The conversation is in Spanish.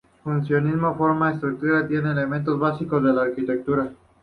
Funcionalismo, forma, estructura, tienen elementos básicos de la arquitectura.